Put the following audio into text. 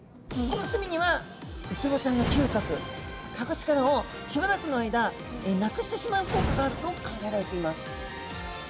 この墨にはウツボちゃんの嗅覚かぐ力をしばらくの間なくしてしまう効果があると考えられています。